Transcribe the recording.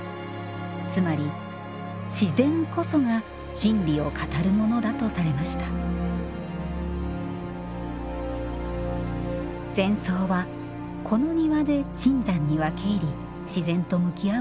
つまり自然こそが真理を語るものだとされました禅僧はこの庭で深山に分け入り自然と向き合うことができます。